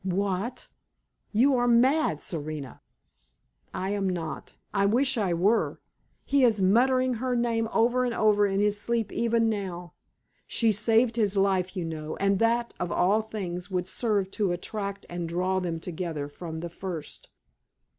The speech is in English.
"What? You are mad, Serena!" "I am not. I wish I were. He is muttering her name over and over in his sleep even now. She saved his life, you know; and that, of all things, would serve to attract and draw them together from the first.